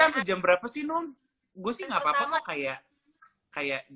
emang kita jam berapa sih nul gue sih gak apa apa kayak kayak